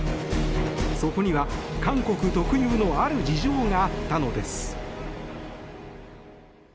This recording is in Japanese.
そこには韓国特有のある事情があったのです。